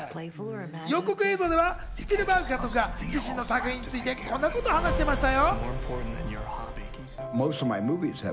予告映像ではスピルバーグ監督が、自身の作品についてこんなことを話していましたよ。